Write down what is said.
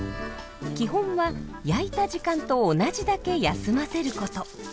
基本は焼いた時間と同じだけ休ませること。